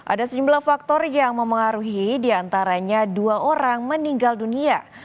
ada sejumlah faktor yang memengaruhi diantaranya dua orang meninggal dunia